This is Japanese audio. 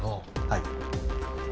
はい。